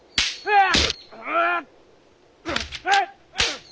あっ！